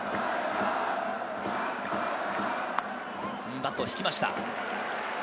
バットを引きました。